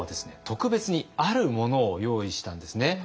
特別にあるものを用意したんですね。